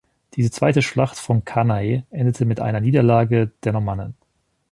Diese zweite Schlacht von Cannae endete mit einer Niederlage der Normannen.